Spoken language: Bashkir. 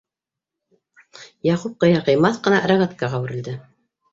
Яҡуп ҡыйыр-ҡыймаҫ ҡына рогаткаға үрелде.